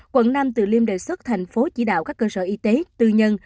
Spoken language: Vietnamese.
quận năm từ liêm đề xuất thành phố chỉ đạo các cơ sở y tế tư nhân